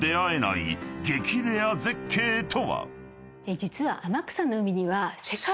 実は天草の海には。